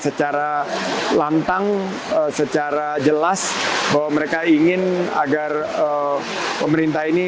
secara lantang secara jelas bahwa mereka ingin agar pemerintah ini